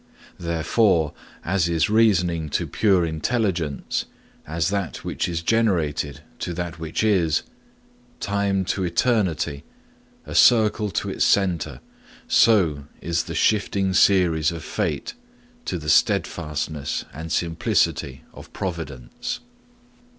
Therefore, as is reasoning to pure intelligence, as that which is generated to that which is, time to eternity, a circle to its centre, so is the shifting series of fate to the steadfastness and simplicity of providence.